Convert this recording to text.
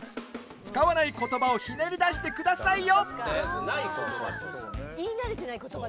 使わない言葉をひねり出して下さいよ。